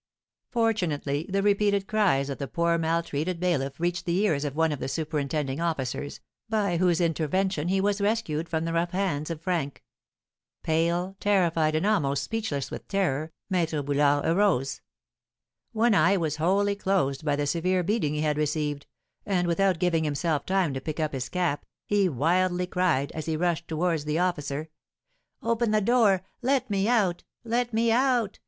Fortunately, the repeated cries of the poor maltreated bailiff reached the ears of one of the superintending officers, by whose intervention he was rescued from the rough hands of Frank. Pale, terrified, and almost speechless with terror, Maître Boulard arose. One eye was wholly closed by the severe beating he had received, and without giving himself time to pick up his cap, he wildly cried, as he rushed towards the officer: "Open the door! Let me out let me out!